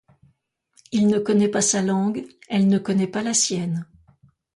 Il ne connaît pas sa langue, elle ne connaît pas la sienne.